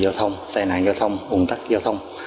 nhiều vụ tai nạn xảy ra tình huống sự cố gây ủng tắc giao thông